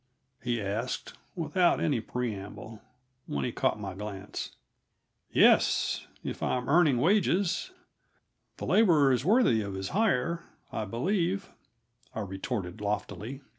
he asked, without any preamble, when he caught my glance. "Yes, if I'm earning wages. 'The laborer is worthy of his hire,' I believe," I retorted loftily.